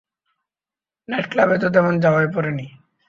Night ক্লাবে তো তেমন যাওয়াই পড়েনি।